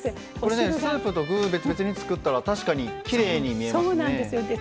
スープと具を別々に作ったら確かに、きれいに見えますね。